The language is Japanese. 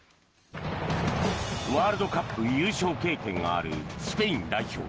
ワールドカップ優勝経験があるスペイン代表。